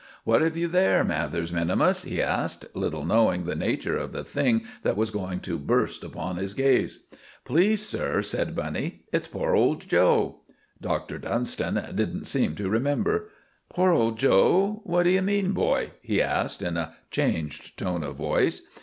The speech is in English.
"What have you there, Mathers minimus?" he asked, little knowing the nature of the thing that was going to burst upon his gaze. "Please, sir," said Bunny, "it's poor old 'Joe.'" Doctor Dunstan didn't seem to remember. "Poor old 'Joe'! What do you mean, boy?" he asked in a changed tone of voice.